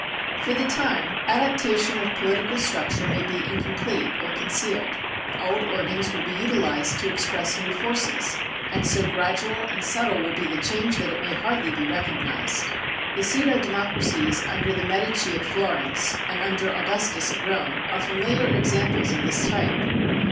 For the time, adaptation of political structure may be incomplete or concealed. Old organs will be utilized to express new forces, and so gradual and subtle will be the change that it may hardly be recognized. The pseudo democracies under the Medici at Florence and under Augustus at Rome are familiar examples of this type.